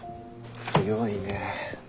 強いね。